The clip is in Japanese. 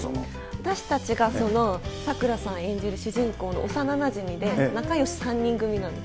私たちが、サクラさん演じる主人公の幼なじみで、仲よし３人組なんです。